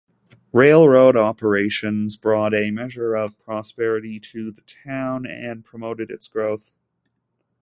Railroad operations brought a measure of prosperity to the town, and promoted its growth.